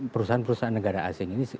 perusahaan perusahaan negara asing ini